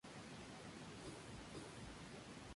Uno actúa en la manera que uno encuentra más agradable.